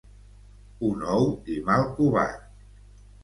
Un ou i mal covat.